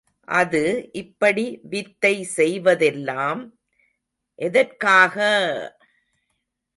அது இப்படி வித்தை செய்வதெல்லாம் எதற்காக!